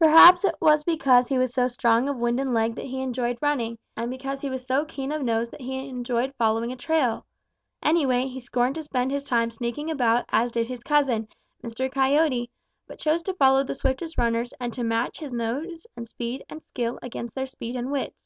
"Perhaps it was because he was so strong of wind and leg that he enjoyed running, and because he was so keen of nose that he enjoyed following a trail. Anyway, he scorned to spend his time sneaking about as did his cousin, Mr. Coyote, but chose to follow the swiftest runners and to match his nose and speed and skill against their speed and wits.